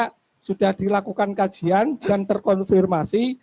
karena sudah dilakukan kajian dan terkonfirmasi